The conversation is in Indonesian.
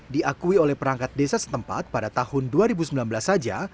diakui oleh perangkat desa setempat pada tahun dua ribu sembilan belas saja